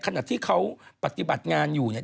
ขณะที่เขาปฏิบัติงานอยู่เนี่ย